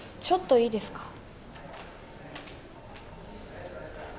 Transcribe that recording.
ちょっといいですか？